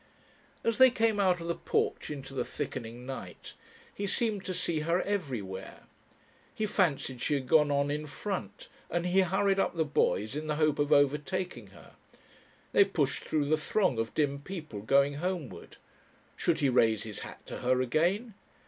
As they came out of the porch into the thickening night, he seemed to see her everywhere. He fancied she had gone on in front, and he hurried up the boys in the hope of overtaking her. They pushed through the throng of dim people going homeward. Should he raise his hat to her again?...